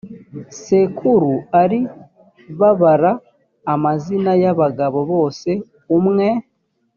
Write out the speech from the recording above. sekuru ari babara amazina y abagabo bose umwe